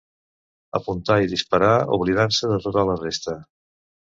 Apuntar i disparar oblidant-se de tota la resta.